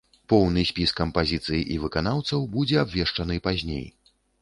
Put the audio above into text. Поўны спіс кампазіцый і выканаўцаў будзе абвешчаны пазней.